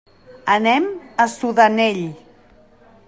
Anem a Sudanell.